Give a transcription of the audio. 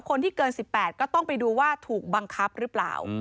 คนที่เกิน๑๘ก็ต้องไปดูว่าถูกบังคับหรือเปล่า